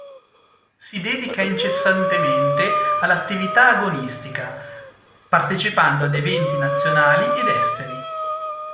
Si dedica incessantemente all'attività agonistica, partecipando ad eventi nazionali ed esteri.